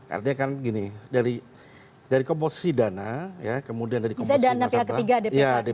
artinya kan gini dari komposisi dana kemudian dari komposisi